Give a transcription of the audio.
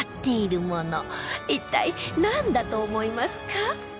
一体なんだと思いますか？